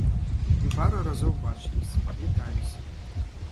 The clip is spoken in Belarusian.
Мы пару разоў бачыліся, віталіся.